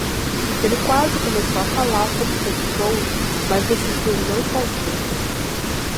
Ele quase começou a falar sobre seu tesouro, mas decidiu não fazê-lo.